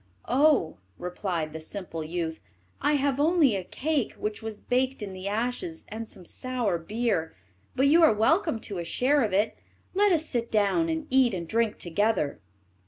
"Oh," replied the simple youth, "I have only a cake, which has been baked in the ashes, and some sour beer; but you are welcome to a share of it. Let us sit down, and eat and drink together."